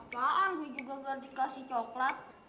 apaan gua juga ga dikasih coklat